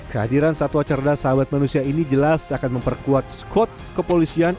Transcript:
kehadiran satwa cerdas sahabat manusia ini jelas akan memperkuat skot kepolisian